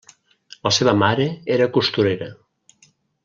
La seva mare era costurera.